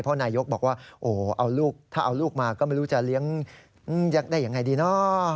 เพราะนายยกบอกว่าโอ้เอาลูกถ้าเอาลูกมาก็ไม่รู้จะเลี้ยงอย่างไรดีเนอะ